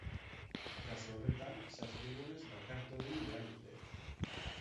Kasu horretan, zazpi egunez bakartu egin behar dute.